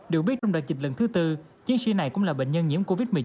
được biết trong đợt dịch lần thứ tư chiến sĩ này cũng là bệnh nhân nhiễm covid một mươi chín